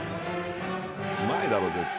うまいだろ絶対。